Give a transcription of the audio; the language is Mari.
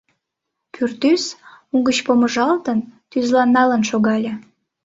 Пӱртӱс, угыч помыжалтын, тӱзланалын шогале.